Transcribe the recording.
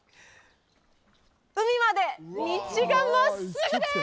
海まで道が真っすぐです！